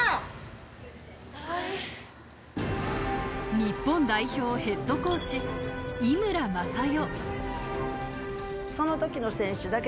日本代表ヘッドコーチ・井村雅代。